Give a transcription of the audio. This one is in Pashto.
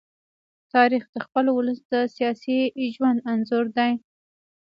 تاریخ د خپل ولس د سیاسي ژوند انځور دی.